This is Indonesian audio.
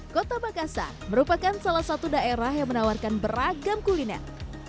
kota makassar merupakan salah satu daerah yang menawarkan beragam kuliner